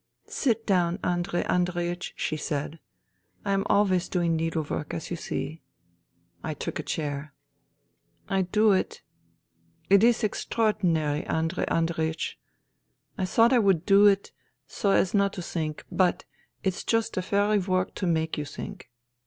" Sit down, Andrei Andreiech," she said. " I am always doing needlework, as you see. ... I took a chair. *' I do it. ... It is extraordinary, Andrei Andrei ech. I thought I would do it so as not to think, but it's just the very work to make you think.